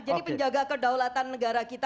jadi penjaga kedaulatan negara gitu ya